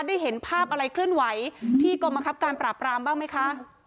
ได้เห็นภาพอะไรเคลื่อนไหวที่กรมคับการปราบรามบ้างไหมคะ